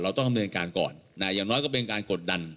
ต้องดำเนินการก่อนอย่างน้อยก็เป็นการกดดัน